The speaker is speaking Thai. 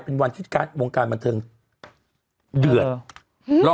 เป็นวันที่วงการบันเทิงเดือด